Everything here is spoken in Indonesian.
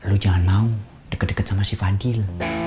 lu jangan mau deket deket sama si fadil